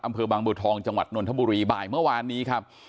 อำเภอบางบัวทองจังหวัดนนทบุรีบ่ายเมื่อวานนี้ครับ